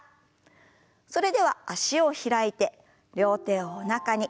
それでは脚を開いて両手をおなかに。